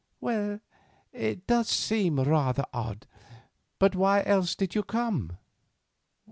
"Well, it does seem rather odd. But why else did you come?